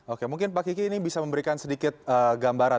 oke mungkin pak kiki ini bisa memberikan sedikit gambaran